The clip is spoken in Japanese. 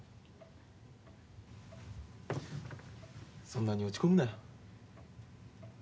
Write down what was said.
そんなに落ち込むなよ。